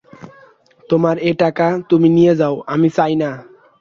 তোমার এ টাকা তুমি নিয়ে যাও, আমি চাই না।